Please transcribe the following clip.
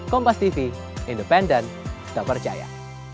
kompastv independen tak percaya